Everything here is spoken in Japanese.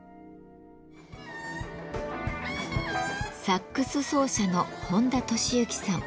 サックス奏者の本多俊之さん。